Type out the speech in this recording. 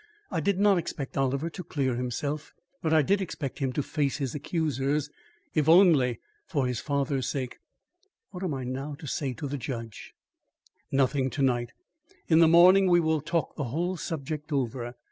"I did not expect Oliver to clear himself, but I did expect him to face his accusers if only for his father's sake. What am I to say now to the judge?" "Nothing to night. In the morning we will talk the whole subject over.